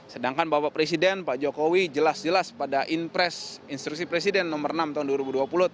sedangkan bapak presiden pak jokowi jelas jelas pada impres instruksi presiden nomor enam tahun dua ribu dua puluh